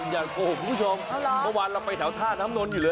โกหกคุณผู้ชมเมื่อวานเราไปแถวท่าน้ำนนทอยู่เลย